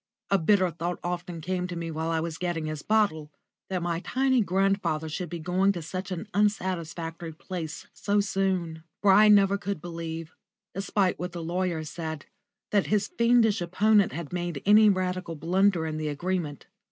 A bitter thought often came to me while I was getting his bottle that my tiny grandfather should be going to such an unsatisfactory place so soon. For I never could believe, despite what the lawyers said, that his fiendish opponent had made any radical blunder in the agreement.